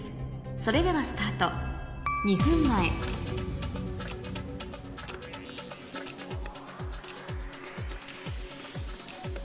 それではスタート２分前おぉ！